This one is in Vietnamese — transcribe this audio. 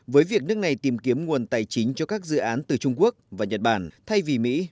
với việc nước này tìm kiếm nguồn tài chính cho các dự án từ trung quốc và nhật bản thay vì mỹ